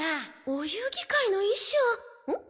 お遊戯会の衣装んっ？